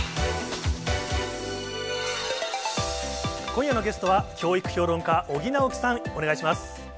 今夜のゲストは、教育評論家、尾木直樹さん、お願いします。